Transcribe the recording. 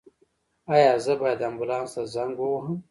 ایا زه باید امبولانس ته زنګ ووهم؟